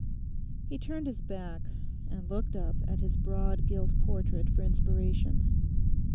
He turned his back and looked up at his broad gilt portrait for inspiration.